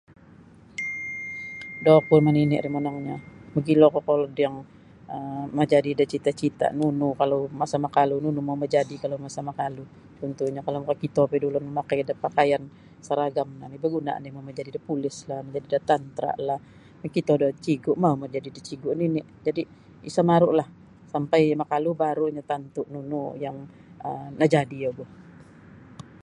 Da oku manini ri monongnyo mogilo kokolod yang um majadi da cita-cita nunu kalau masa makalu nunu mau majadi kalau masa makalu contohnya kalau makakito pio ulun bapakaian saragam no baguna majadi da pulis lah majadi da tantra lah mokito da cigu mau majadi da cigu nini jadi isa marulah sampai makalu barunya tantu nunu yang najadi ogu.